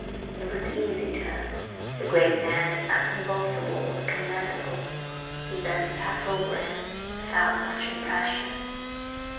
It was easy to him. The great man is not convulsible or tormentable; events pass over him without much impression.